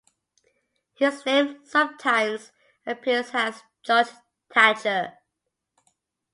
His name sometimes appears as George Thacher.